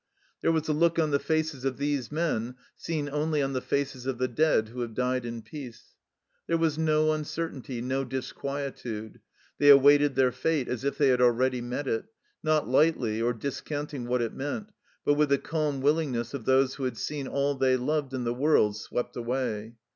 There was a look on the faces of these men seen only on the faces of the dead who have died in peace. There was no uncertainty, no disquietude. They awaited their fate as if they had already met it, not lightly or discounting what it meant, but with the calm willingness of those who had seen all they loved in the world swept away.